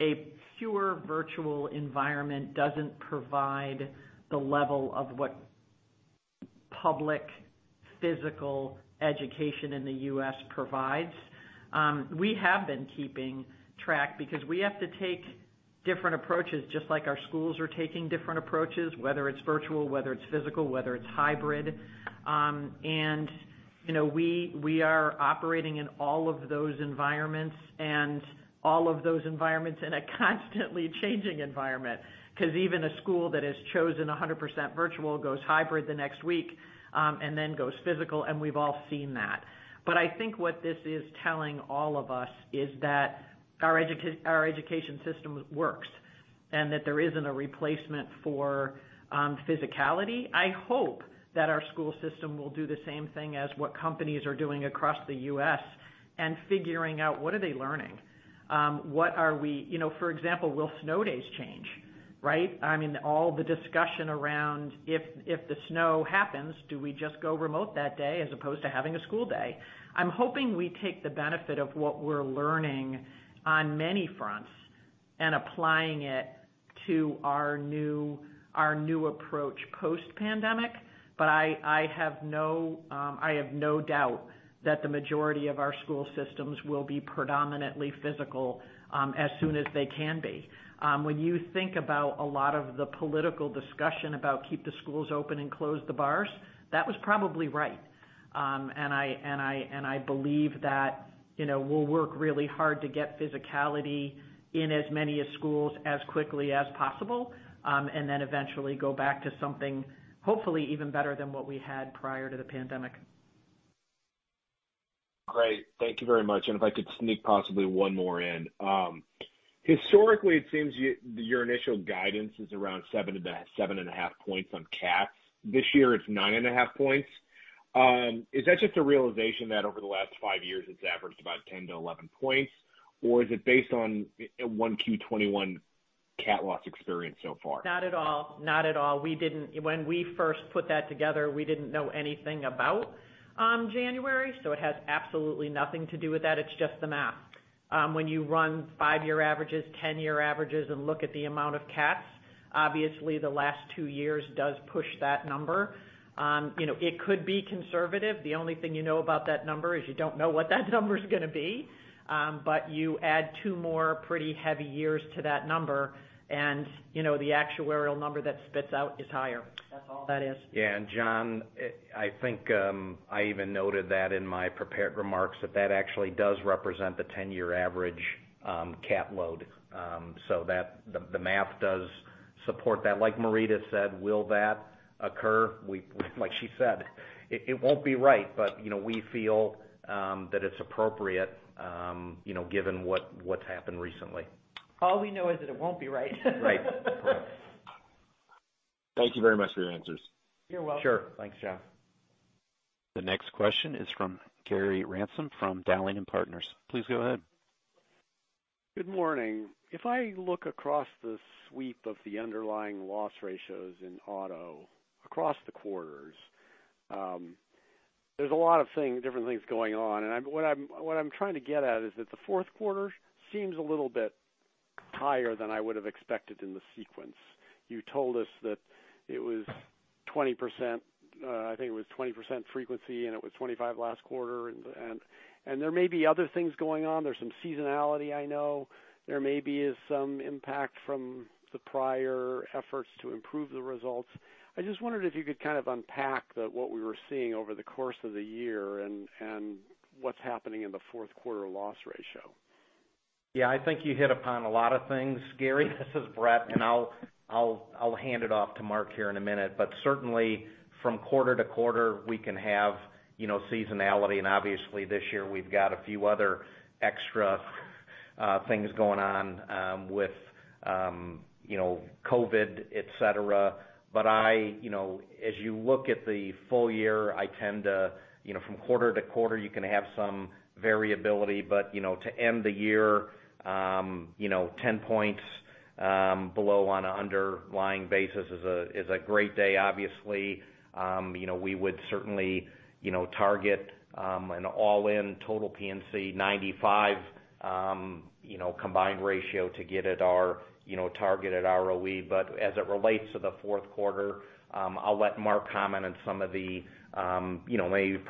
a pure virtual environment doesn't provide the level of what public physical education in the U.S. provides. We have been keeping track because we have to take Different approaches, just like our schools are taking different approaches, whether it's virtual, whether it's physical, whether it's hybrid. We are operating in all of those environments and all of those environments in a constantly changing environment, because even a school that has chosen 100% virtual goes hybrid the next week, goes physical, we've all seen that. I think what this is telling all of us is that our education system works, that there isn't a replacement for physicality. I hope that our school system will do the same thing as what companies are doing across the U.S. and figuring out what are they learning. For example, will snow days change, right? All the discussion around if the snow happens, do we just go remote that day as opposed to having a school day? I'm hoping we take the benefit of what we're learning on many fronts and applying it to our new approach post-pandemic. I have no doubt that the majority of our school systems will be predominantly physical, as soon as they can be. When you think about a lot of the political discussion about keep the schools open and close the bars, that was probably right. I believe that we'll work really hard to get physicality in as many schools as quickly as possible, eventually go back to something hopefully even better than what we had prior to the pandemic. Great. Thank you very much. If I could sneak possibly one more in. Historically, it seems your initial guidance is around 7.5 points on CATs. This year, it's 9.5 points. Is that just a realization that over the last five years, it's averaged about 10-11 points? Or is it based on one Q21 CAT loss experience so far? Not at all. When we first put that together, we didn't know anything about January, so it has absolutely nothing to do with that. It's just the math. When you run 5-year averages, 10-year averages, and look at the amount of CATs, obviously, the last two years does push that number. It could be conservative. The only thing you know about that number is you don't know what that number's going to be. You add two more pretty heavy years to that number and the actuarial number that spits out is higher. That's all that is. Yeah. John, I think, I even noted that in my prepared remarks that that actually does represent the 10-year average CAT load. The math does support that. Like Marita said, will that occur? Like she said, it won't be right, but we feel that it's appropriate given what's happened recently. All we know is that it won't be right. Right. Correct. Thank you very much for your answers. You're welcome. Sure. Thanks, John. The next question is from Gary Ransom from Dowling & Partners. Please go ahead. Good morning. If I look across the sweep of the underlying loss ratios in auto across the quarters, there's a lot of different things going on. What I'm trying to get at is that the fourth quarter seems a little bit higher than I would have expected in the sequence. You told us that it was 20%, I think it was 20% frequency, and it was 25 last quarter. There may be other things going on. There's some seasonality, I know. There may be some impact from the prior efforts to improve the results. I just wondered if you could kind of unpack what we were seeing over the course of the year and what's happening in the fourth quarter loss ratio. Yeah. I think you hit upon a lot of things, Gary. This is Bret, I'll hand it off to Mark here in a minute. Certainly, from quarter to quarter, we can have seasonality, obviously this year we've got a few other extra things going on with COVID, et cetera. As you look at the full year, from quarter to quarter, you can have some variability. To end the year, 10 points below on an underlying basis is a great day, obviously. We would certainly target an all-in total P&C 95 combined ratio to get at our targeted ROE. As it relates to the fourth quarter, I'll let Mark comment on some of the maybe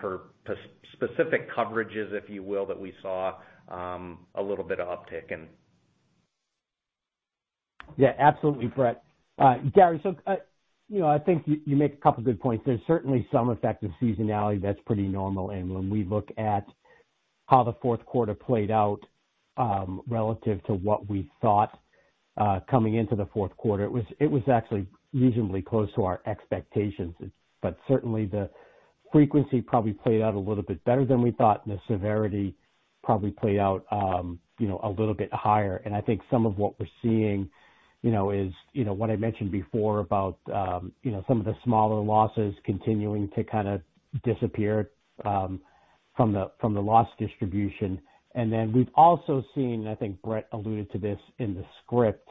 specific coverages, if you will, that we saw a little bit of uptick in. Yeah, absolutely, Bret. Gary, I think you make a couple good points. There's certainly some effect of seasonality that's pretty normal. When we look at how the fourth quarter played out, relative to what we thought, coming into the fourth quarter, it was actually reasonably close to our expectations. Certainly the frequency probably played out a little bit better than we thought, the severity probably played out a little bit higher. I think some of what we're seeing is what I mentioned before about some of the smaller losses continuing to kind of disappear from the loss distribution. Then we've also seen, I think Bret alluded to this in the script,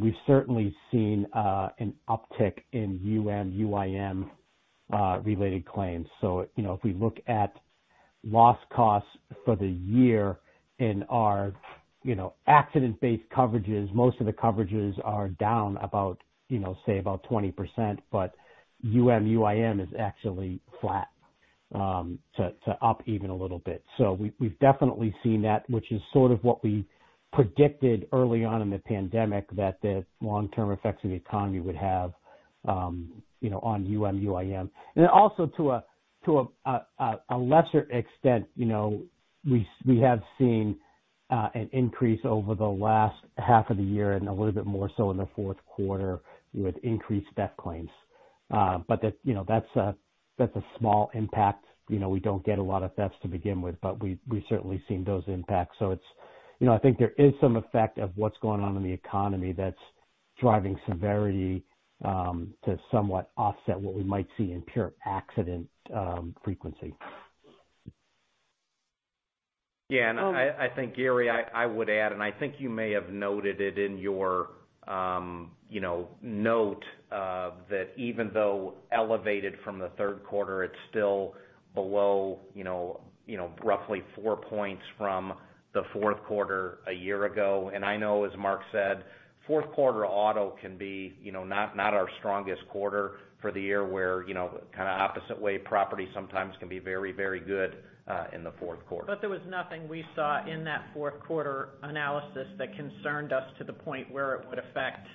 we've certainly seen an uptick in UM/UIM-related claims. If we look at loss costs for the year in our accident-based coverages, most of the coverages are down about 20%, but UM/UIM is actually flat to up even a little bit. We've definitely seen that, which is sort of what we predicted early on in the pandemic, that the long-term effects of the economy would have on UM/UIM. Also to a lesser extent, we have seen an increase over the last half of the year and a little bit more so in the fourth quarter with increased theft claims. That's a small impact. We don't get a lot of thefts to begin with, but we've certainly seen those impacts. I think there is some effect of what's going on in the economy that's driving severity to somewhat offset what we might see in pure accident frequency. I think, Gary Ransom, I would add, I think you may have noted it in your note that even though elevated from the third quarter, it's still below roughly 4 points from the fourth quarter a year ago. I know as Mark Desrochers said, fourth quarter auto can be not our strongest quarter for the year, where opposite way property sometimes can be very good in the fourth quarter. There was nothing we saw in that fourth quarter analysis that concerned us to the point where it would affect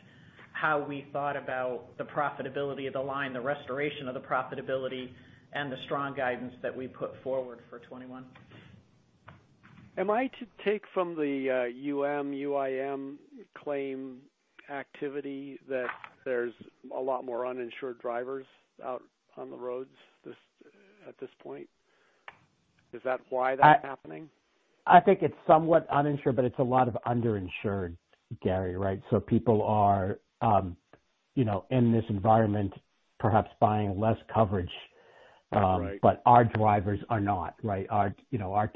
how we thought about the profitability of the line, the restoration of the profitability, and the strong guidance that we put forward for 2021. Am I to take from the UM/UIM claim activity that there's a lot more uninsured drivers out on the roads at this point? Is that why that's happening? I think it's somewhat uninsured, but it's a lot of underinsured, Gary, right? People are, in this environment, perhaps buying less coverage. Right. Our drivers are not, right? Our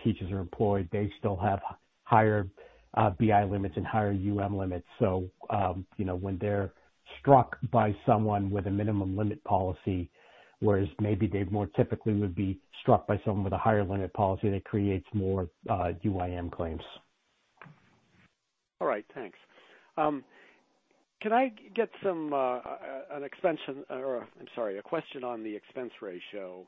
teachers are employed. They still have higher BI limits and higher UM limits. When they're struck by someone with a minimum limit policy, whereas maybe they more typically would be struck by someone with a higher limit policy, that creates more UIM claims. All right. Thanks. Can I get a question on the expense ratio?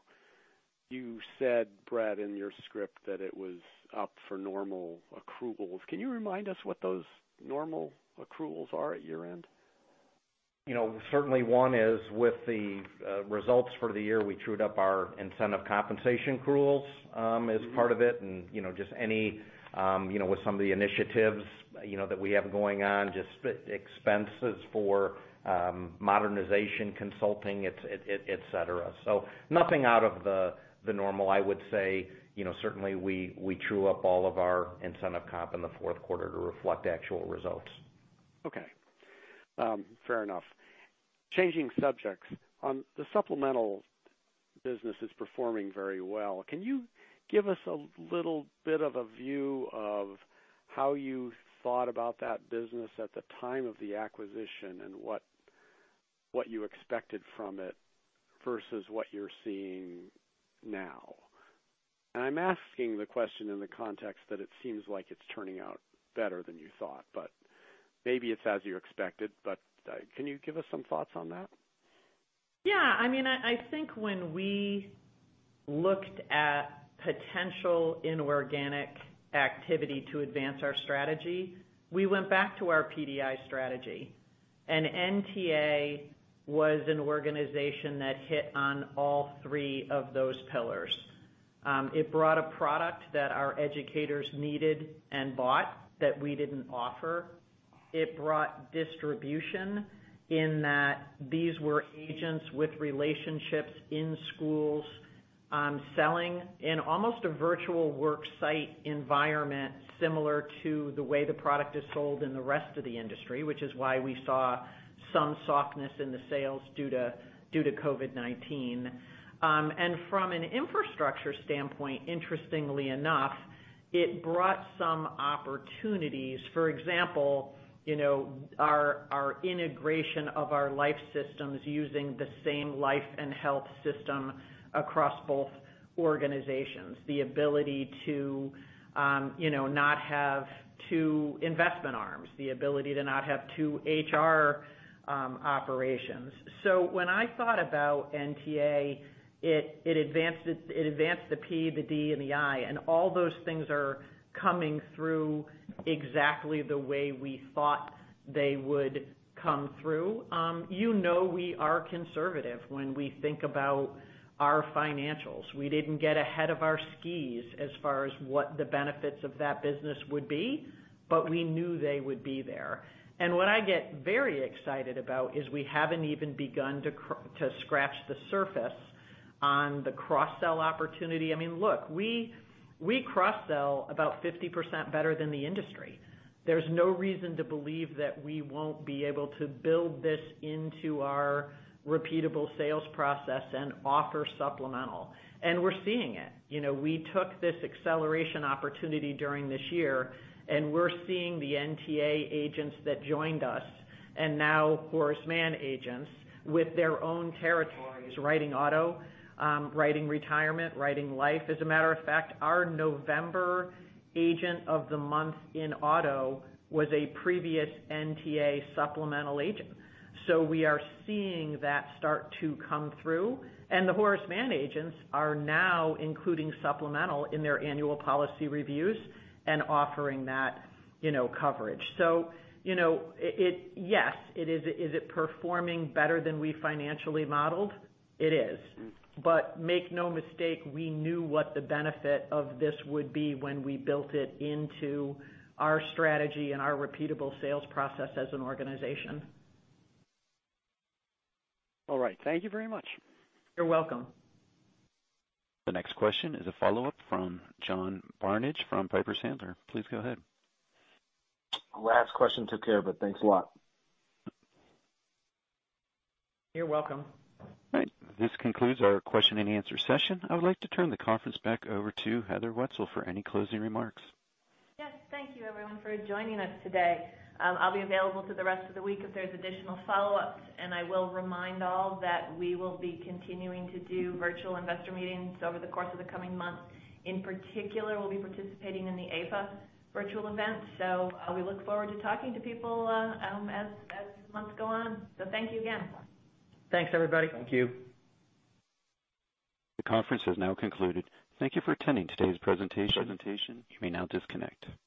You said, Bret, in your script that it was up for normal accruals. Can you remind us what those normal accruals are at year-end? Certainly one is with the results for the year. We trued up our incentive compensation accruals as part of it, and just any with some of the initiatives that we have going on, just expenses for modernization, consulting, et cetera. Nothing out of the normal. I would say, certainly we true up all of our incentive comp in the fourth quarter to reflect actual results. Okay. Fair enough. Changing subjects. The supplemental business is performing very well. Can you give us a little bit of a view of how you thought about that business at the time of the acquisition, and what you expected from it versus what you're seeing now? I'm asking the question in the context that it seems like it's turning out better than you thought, but maybe it's as you expected. Can you give us some thoughts on that? Yeah. I think when we looked at potential inorganic activity to advance our strategy, we went back to our PDI strategy. NTA was an organization that hit on all three of those pillars. It brought a product that our educators needed and bought that we didn't offer. It brought distribution in that these were agents with relationships in schools selling in almost a virtual work site environment, similar to the way the product is sold in the rest of the industry, which is why we saw some softness in the sales due to COVID-19. From an infrastructure standpoint, interestingly enough, it brought some opportunities. For example, our integration of our life systems using the same life and health system across both organizations, the ability to not have two investment arms, the ability to not have two HR operations. When I thought about NTA, it advanced the P, the D, and the I, all those things are coming through exactly the way we thought they would come through. You know we are conservative when we think about our financials. We didn't get ahead of our skis as far as what the benefits of that business would be, but we knew they would be there. What I get very excited about is we haven't even begun to scratch the surface on the cross-sell opportunity. Look, we cross-sell about 50% better than the industry. There's no reason to believe that we won't be able to build this into our repeatable sales process and offer supplemental. We're seeing it. We took this acceleration opportunity during this year, we're seeing the NTA agents that joined us, and now Horace Mann agents with their own territories writing auto, writing retirement, writing life. As a matter of fact, our November agent of the month in auto was a previous NTA supplemental agent. We are seeing that start to come through. The Horace Mann agents are now including supplemental in their annual policy reviews and offering that coverage. Yes. Is it performing better than we financially modeled? It is. Make no mistake, we knew what the benefit of this would be when we built it into our strategy and our repeatable sales process as an organization. All right. Thank you very much. You're welcome. The next question is a follow-up from John Barnidge from Piper Sandler. Please go ahead. Last question took care of it. Thanks a lot. You're welcome. All right. This concludes our question and answer session. I would like to turn the conference back over to Heather Wietzel for any closing remarks. Yes. Thank you everyone for joining us today. I'll be available through the rest of the week if there's additional follow-ups. I will remind all that we will be continuing to do virtual investor meetings over the course of the coming months. In particular, we'll be participating in the APA virtual event. We look forward to talking to people as months go on. Thank you again. Thanks, everybody. Thank you. The conference has now concluded. Thank you for attending today's presentation. You may now disconnect.